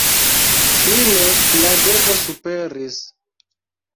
Fine la devo superis.